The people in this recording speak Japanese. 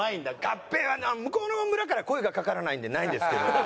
合併は向こうの村から声がかからないんでないんですけど。